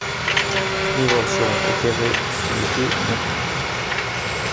Les vols seront opérés sous les deux noms.